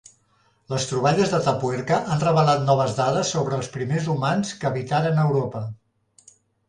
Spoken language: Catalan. Les troballes d'Atapuerca han revelat noves dades sobre els primers humans que habitaren Europa.